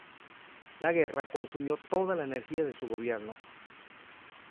La guerra consumió toda la energía de su gobierno.